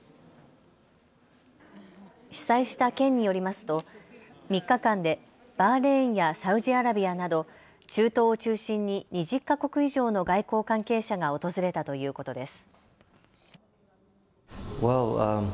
主催した県によりますと３日間でバーレーンやサウジアラビアなど中東を中心に２０か国以上の外交関係者が訪れたということです。